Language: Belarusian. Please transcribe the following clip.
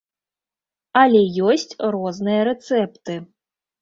Але ёсць розныя рэцэпты.